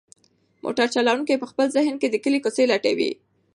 موټر چلونکی په خپل ذهن کې د کلي کوڅې لټوي.